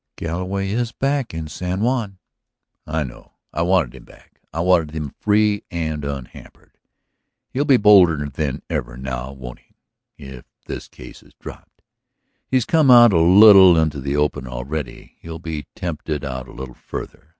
"Galloway is back in San Juan." "I know. I wanted him back. I wanted him free and unhampered. He'll be bolder than ever now, won't he, if this case is dropped? He's come out a little into the open already, he'll be tempted out a little farther.